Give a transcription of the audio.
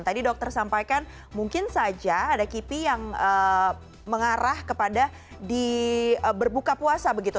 tadi dokter sampaikan mungkin saja ada kipi yang mengarah kepada di berbuka puasa begitu